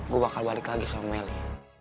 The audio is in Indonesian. gue bakal balik lagi sama meli